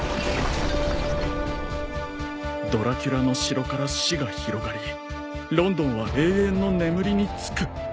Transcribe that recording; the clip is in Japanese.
「ドラキュラの城から死が広がりロンドンは永遠の眠りにつく」